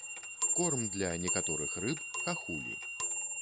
Корм для некаторых рыб, хахулі.